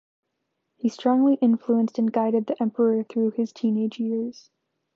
He strongly influenced and guided the emperor through his teenage years.